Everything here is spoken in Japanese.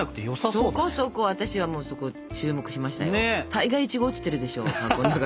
大概イチゴ落ちてるでしょ箱の中で。